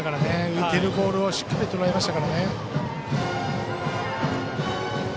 浮いているボールをしっかりとらえました。